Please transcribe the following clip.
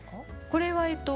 これはええと